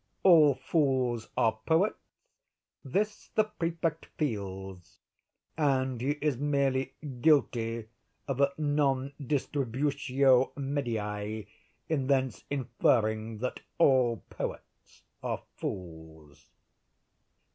All fools are poets; this the Prefect feels; and he is merely guilty of a non distributio medii in thence inferring that all poets are fools."